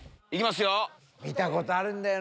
見たことあるんだよな。